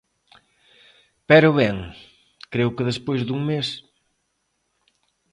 Pero ben, creo que despois dun mes.